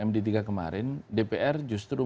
md tiga kemarin dpr justru